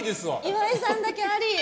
岩井さんだけアリ。